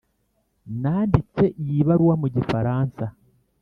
nanditse iyi baruwa mu gifaransa.